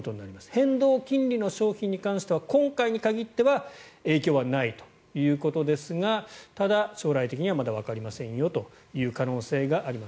変動金利の商品に関しては今回に限っては影響はないということですがただ、将来的にはまだわかりませんよという可能性があります。